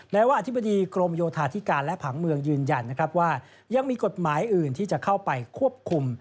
ว่าอธิบดีกรมโยธาธิการและผังเมืองยืนยันนะครับว่ายังมีกฎหมายอื่นที่จะเข้าไปควบคุม